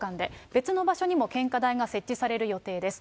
別の場所にも献花台が設置される予定です。